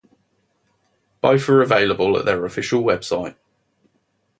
Both are available at their official website.